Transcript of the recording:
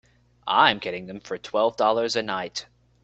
I'm getting them for twelve dollars a night.